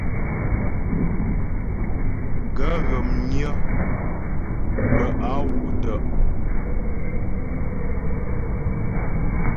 Gaə̂ ghə̀ mnyə́ bə a wú’ tə'.